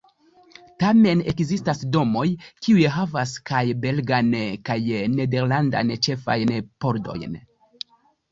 Tamen ekzistas domoj, kiuj havas kaj belgan kaj nederlandan ĉefajn pordojn.